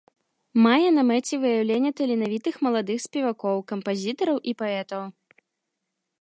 Мае на мэце выяўленне таленавітых маладых спевакоў, кампазітараў і паэтаў.